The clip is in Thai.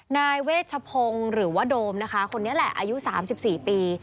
นายเวชพงศ์หรือว่าโดมนะคะคนนี้แหละอายุ๓๔ปี